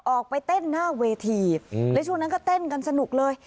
ออกไปเต้นหน้าเวทีและช่วงนั้นก็เต้นกันสนุกเลย